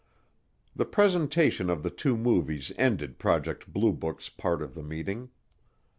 The presentation of the two movies ended Project Blue Book's part of the meeting.